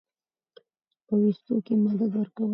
پۀ ويستو کښې مدد ورکوي